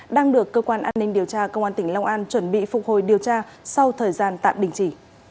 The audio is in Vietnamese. đang được cơ quan an ninh điều tra công an tỉnh long an chuẩn bị phục hồi điều tra sau thời gian tạm đình chỉ